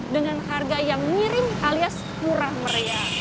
dengan harga yang miring alias murah meriah